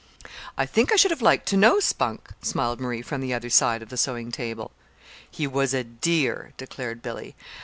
"I think I should have liked to know Spunk," smiled Marie from the other side of the sewing table. "He was a dear," declared Billy.